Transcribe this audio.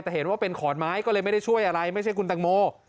แต่เห็นว่าเป็นขอนไม้ก็เลยไม่ได้ช่วยอะไรไม่ใช่คุณตังโม